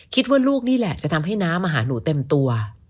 คิดว่าลูกนี่แหละจะทำให้น้ามาหาหนูเต็มตัว